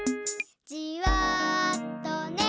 「じわとね」